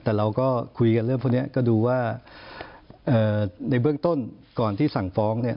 แต่เราก็คุยกันเรื่องพวกนี้ก็ดูว่าในเบื้องต้นก่อนที่สั่งฟ้องเนี่ย